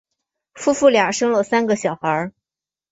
夫妇俩生了三个小孩。